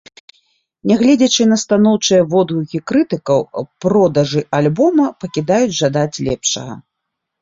Нягледзячы на станоўчыя водгукі крытыкаў, продажы альбома пакідаюць жадаць лепшага.